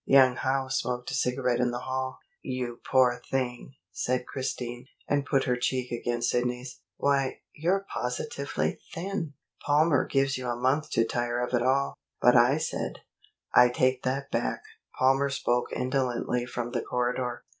Young Howe smoked a cigarette in the hall. "You poor thing!" said Christine, and put her cheek against Sidney's. "Why, you're positively thin! Palmer gives you a month to tire of it all; but I said " "I take that back," Palmer spoke indolently from the corridor.